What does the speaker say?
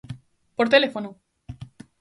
Por teléfono?